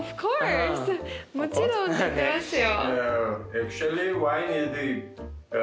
「もちろん」って言ってますよ。